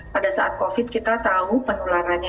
pada saat covid kita tahu penularannya